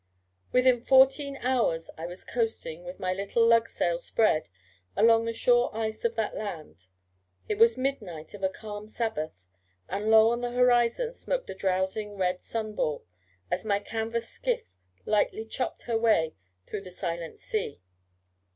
Within fourteen hours I was coasting, with my little lug sail spread, along the shore ice of that land. It was midnight of a calm Sabbath, and low on the horizon smoked the drowsing red sun ball, as my canvas skiff lightly chopped her little way through this silent sea.